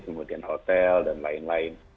kemudian hotel dan lain lain